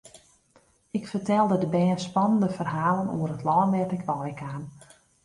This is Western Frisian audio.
Ik fertelde de bern spannende ferhalen oer it lân dêr't ik wei kaam.